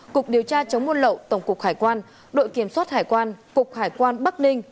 cục điều tra chống buôn lậu tổng cục hải quan đội kiểm soát hải quan cục hải quan bắc ninh